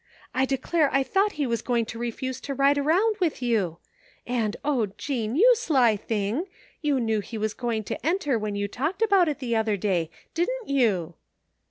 I declare I thought he was going to refuse to ride around with you. And, oh, Jean, you sly thing ! You knew he was going to enter when you talked about it the other day, didn't you?"